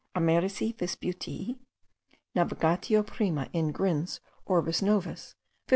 Americi Vesputii Navigatio Prima, in Gryn's Orbis Novus 1555.)